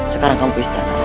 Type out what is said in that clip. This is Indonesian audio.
sekarang kamu pulang rai